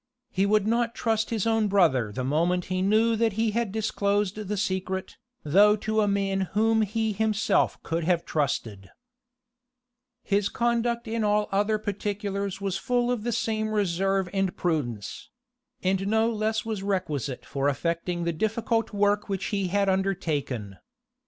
He would not trust his own brother the moment he knew that he had disclosed the secret, though to a man whom he himself could have trusted.[*] * Lord Lansdowne's Defence of General Monk. His conduct in all other particulars was full of the same reserve and prudence; and no less was requisite for effecting the difficult work which he had undertaken.